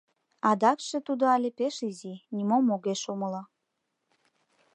Адакше тудо але пеш изи — нимом огеш умыло.